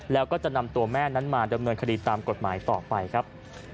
แล้วก็จะนำตัวแม่นั้นมาดำเนินคดีตามกฎหมายต่อไปครับ